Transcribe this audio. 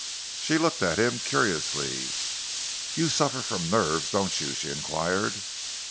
She looked at him curiously. "You suffer from nerves, don't you?" she enquired.